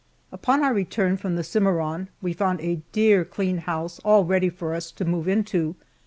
UPON our return from the Cimarron we found a dear, clean house all ready for us to move into.